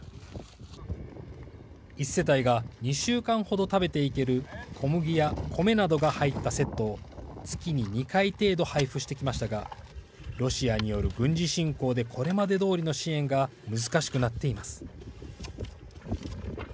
１世帯が２週間ほど食べていける小麦やコメなどが入ったセットを月に２回程度配布してきましたがロシアによる軍事侵攻でこれまでどおりの支援が難しくなっています。